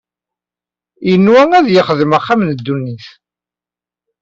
Yenwa ad yexdem axxam n ddunit.